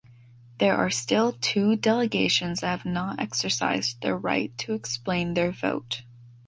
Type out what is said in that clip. There are still two delegations that have not exercised their right to explain their vote.